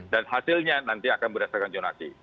dan hasilnya nanti akan berdasarkan jonasi